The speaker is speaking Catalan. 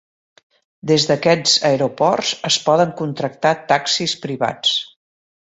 Des d'aquests aeroports es poden contractar taxis privats.